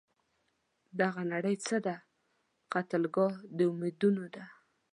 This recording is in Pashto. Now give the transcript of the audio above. دغه نړۍ څه ده؟ قتلګاه د امیدونو ده